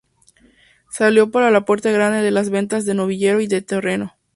Salió por la Puerta Grande de Las Ventas de novillero y de torero.